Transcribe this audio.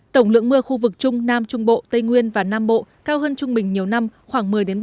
tổng lượng mưa khu vực trung nam trung bộ tây nguyên và nam bộ cao hơn trung bình nhiều năm khoảng một mươi ba mươi